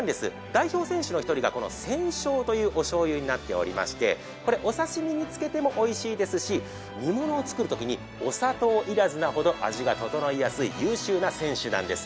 代表選手の１人が専醤というおしょうゆになっておりましてお刺身につけてもおいしいですし煮物を作るときにお砂糖要らずなほど、味が整いやすい優秀な選手なんです。